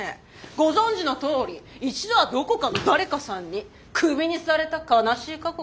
ご存じのとおり一度はどこかの誰かさんにクビにされた悲しい過去があります。